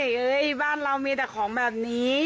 เอ้ยบ้านเรามีแต่ของแบบนี้